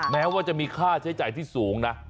แม้ว่าจะมีค่าใช้จ่ายที่สูงนะ